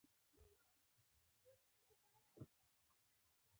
تاسو څه خوښوئ؟ زه هر ډوله خواړه خوښوم